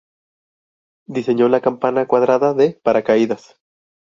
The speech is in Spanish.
Diseñó la campana cuadrada de paracaídas.